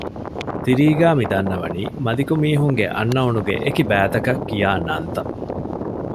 ތިރީގައި މިދަންނަވަނީ މަލިކު މީހުންގެ އަންނައުނުގެ އެކި ބައިތަކަށް ކިޔާ ނަންތައް